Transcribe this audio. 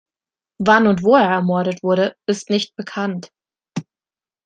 Wann und wo er ermordet wurde, ist nicht bekannt.